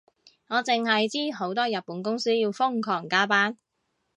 我淨係知好多日本公司要瘋狂加班